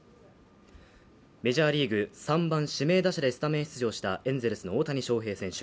メジャーリーグ、３番指名打者でスタメン出場したエンゼルスの大谷翔平選手。